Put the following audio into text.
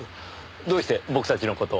どうして僕たちの事を？